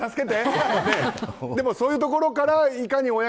でも、そういうところからね。